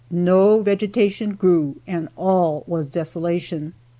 No vegetation grew and all was desolation.